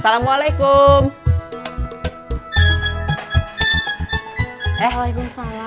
saya mau berubah